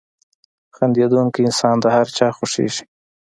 • خندېدونکی انسان د هر چا خوښېږي.